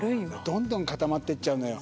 どんどん固まってっちゃうのよ